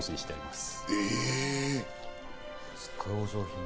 すごいお上品。